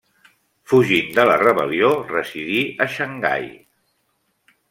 Fugint de la rebel·lió residí a Xangai.